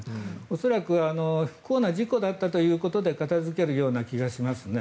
恐らく不幸な事故だったということで片付けるような気がしますね。